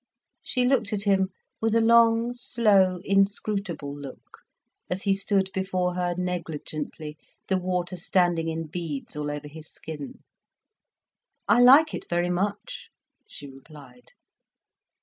She looked at him with a long, slow inscrutable look, as he stood before her negligently, the water standing in beads all over his skin. "I like it very much," she replied.